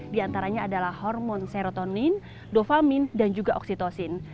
di antaranya adalah hormon serotonin dofamin dan juga oksitosin